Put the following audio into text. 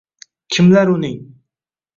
Kimlar uning